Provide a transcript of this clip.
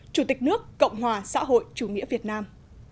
chủ tịch nước cộng hòa xã hội chủ nghĩa việt nam